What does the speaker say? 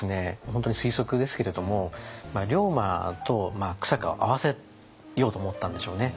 本当に推測ですけれども龍馬と久坂を会わせようと思ったんでしょうね。